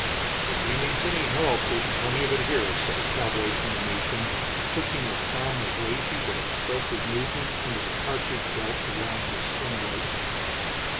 "If he needs any help there's plenty of it here," said a cowboy from the Nation, hooking his thumb with lazy but expressive movement under the cartridge belt around his slim waist.